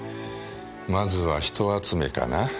まずは人集めかな。